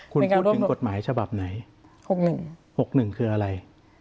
คุณพูดถึงกฎหมายฉบับไหน๖๑๖๑คืออะไร